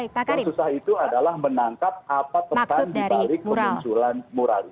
yang susah itu adalah menangkap apa pesan dibalik kemunculan moral